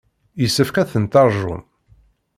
Yessefk ad ten-teṛjum.